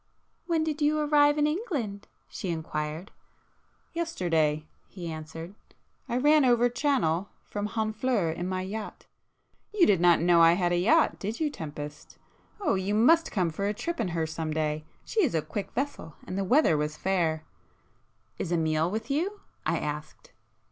"When did you arrive in England?" she inquired. "Yesterday,"—he answered,—"I ran over Channel from Honfleur in my yacht,—you did not know I had a yacht, did you Tempest?—oh, you must come for a trip in her some day. She is a quick vessel, and the weather was fair." "Is Amiel with you?" I asked.